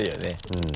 うん。